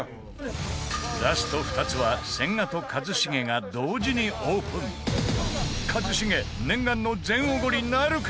ラスト２つは千賀と一茂が同時にオープン一茂念願の全おごりなるか？